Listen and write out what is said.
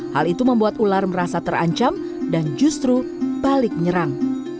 hal itu membuat ular merasa terancam dan justru balik menyerang